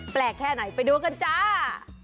แค่ไหนไปดูกันจ้า